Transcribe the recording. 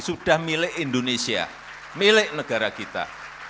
sudah milik indonesia milik negara kita